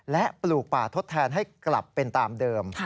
และปลูกป่าทดแทนให้กลับเป็นตามเดิม